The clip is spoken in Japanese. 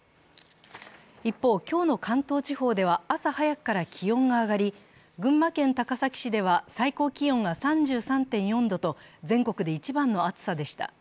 一方、今日の関東地方では朝早くから気温が上がり、群馬県高崎市では最高気温が３３．４度と全国で一番の暑さでした。